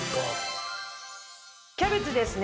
キャベツですね。